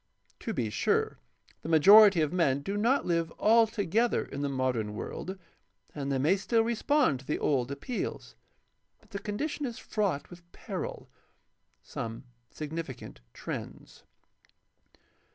To be sure, the majority of men do not live altogether in the modern world, and they may still respond to the old appeals. But the condition is fraught with peril. Some significant trends.